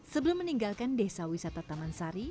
sebelum meninggalkan desa wisata taman sari